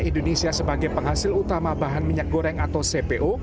indonesia sebagai penghasil utama bahan minyak goreng atau cpo